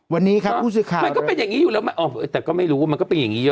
มันก็เป็นอย่างนี้อยู่แล้วแต่ก็ไม่รู้ว่ามันก็เป็นอย่างนี้